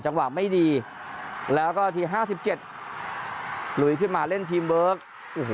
จังหวะไม่ดีแล้วก็ทีห้าสิบเจ็ดลุยขึ้นมาเล่นทีมเวิร์คโอ้โห